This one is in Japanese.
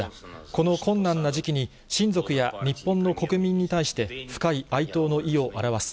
この困難な時期に親族や日本の国民に対して、深い哀悼の意を表す。